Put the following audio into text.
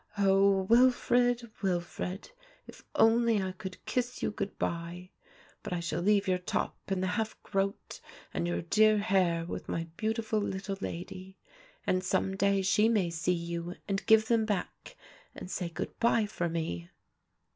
Oh! Wilfred, Wilfred, if only I could kiss you good bye! but I shall leave your top and the half groat and your dear hair with my beautiful little lady, and some day she may see you and give them back and say good bye for me."